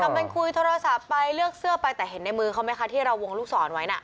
มันเป็นคุยโทรศัพท์ไปเลือกเสื้อไปแต่เห็นในมือเขาไหมคะที่เราวงลูกศรไว้น่ะ